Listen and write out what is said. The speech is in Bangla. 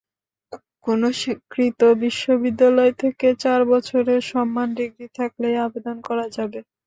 কোনো স্বীকৃত বিশ্ববিদ্যালয় থেকে চার বছরের সম্মান ডিগ্রি থাকলেই আবেদন করা যাবে।